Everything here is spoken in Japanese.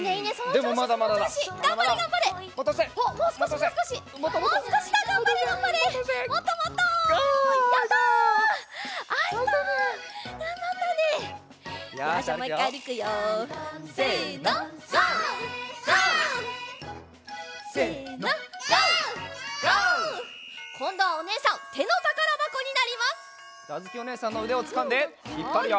じゃあづきおねえさんのうでをつかんでひっぱるよ。